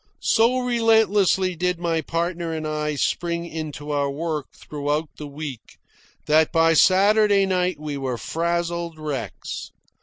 So relentlessly did my partner and I spring into our work throughout the week that by Saturday night we were frazzled wrecks.